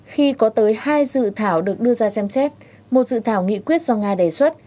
khi có tới hai dự thảo được đưa ra xem xét một dự thảo nghị quyết do nga đề xuất